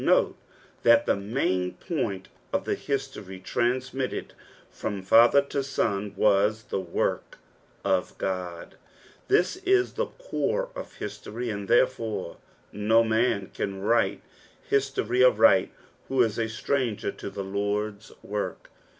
Kote that the main point of the history transmitted from father to son wu the work of Ood ; this is the core of hiatory, and therefore no man can wiile history aright who is a stranger to the Lord's work.